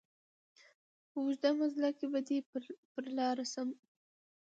په اوږد مزله کي به دي پر لار سم